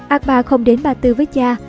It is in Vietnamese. akbar không đến ba tư với cha